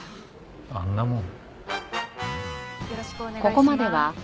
あんなもん？